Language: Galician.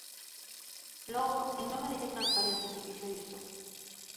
Logo, ¿en nome de que transparencia se fixo isto?